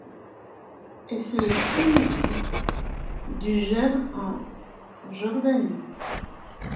Et c’est le premier site du genre en Jordanie.